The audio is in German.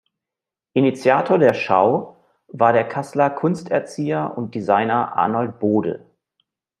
Initiator der Schau war der Kasseler Kunsterzieher und Designer Arnold Bode.